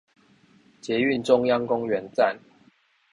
捷運中央公園站